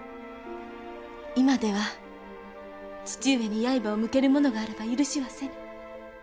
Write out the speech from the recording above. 今では父上に刃を向ける者があれば許しはせぬ。